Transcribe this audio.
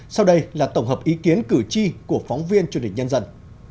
sau đây là tổng hợp ý kiến cử tri của phóng viên truyền hình nhân dân